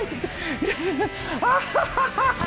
ハハハハ！